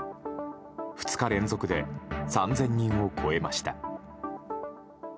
２日連続で３０００人を超えました。